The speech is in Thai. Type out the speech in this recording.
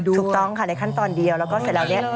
ถูกต้องค่ะในขั้นตอนเดียวแล้วก็เสร็จแล้วเนี่ย